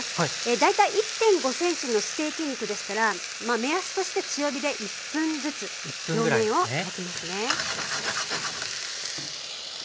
大体１．５ｃｍのステーキ肉でしたら目安として強火で１分ずつ両面を焼きますね。